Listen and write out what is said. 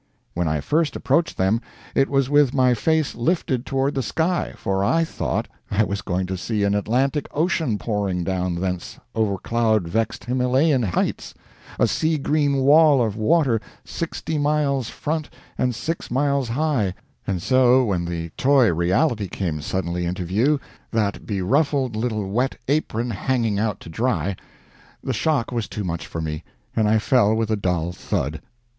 When I first approached them it was with my face lifted toward the sky, for I thought I was going to see an Atlantic ocean pouring down thence over cloud vexed Himalayan heights, a sea green wall of water sixty miles front and six miles high, and so, when the toy reality came suddenly into view that beruffled little wet apron hanging out to dry the shock was too much for me, and I fell with a dull thud.